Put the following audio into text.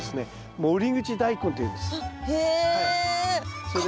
守口大根っていうんです。